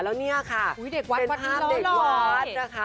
แล้วนี่ค่ะเป็นภาพเด็กวัดนะคะ